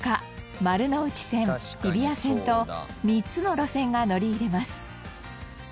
丸ノ内線、日比谷線と３つの路線が乗り入れます